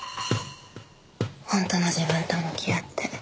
本当の自分と向き合って。